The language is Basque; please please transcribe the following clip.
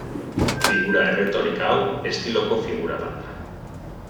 Figura erretorika hau estiloko figura bat da.